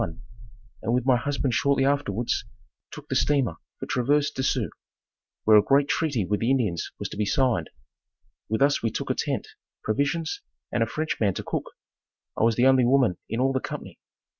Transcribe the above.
I came to Minnesota a bride in 1851 and with my husband shortly afterwards took the steamer for Traverse de Sioux, where a great treaty with the Indians was to be signed. With us we took a tent, provisions and a French man to cook. I was the only woman in all the company.